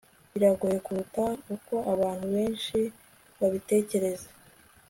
biragoye kuruta uko abantu benshi babitekereza